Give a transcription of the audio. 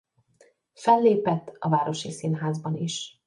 Fellépett a Városi Színházban is.